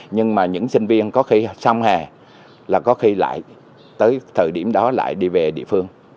nhưng mà những sinh viên có khi xong hè là có khi lại tới thời điểm đó lại đi về địa phương